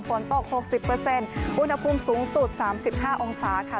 ฝนตก๖๐อุณหภูมิสูงสุด๓๕องศาค่ะ